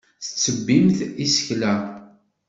Tettebbimt isekla.